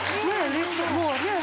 うれしい。